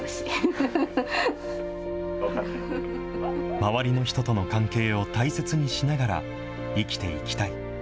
周りの人との関係を大切にしながら生きていきたい。